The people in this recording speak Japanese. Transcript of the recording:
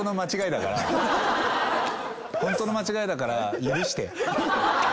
ホントの間違いだから。